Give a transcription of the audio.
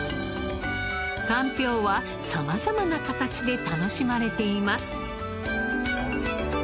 かんぴょうは様々な形で楽しまれています。